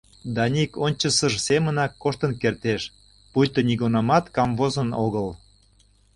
Даник ончычсыж семынак коштын кертеш, пуйто нигунамат камвозын огыл.